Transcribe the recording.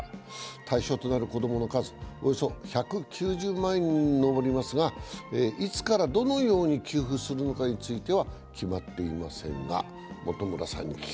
対象となる子供の数、およそ１９０万人に上りますがいつから、どのように給付するのかについては決まっていません。